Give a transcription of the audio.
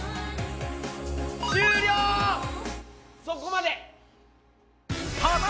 そこまで！